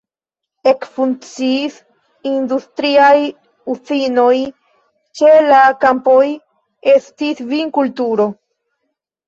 Ekfunkciis industriaj uzinoj, ĉe la kampoj estis vinkulturo.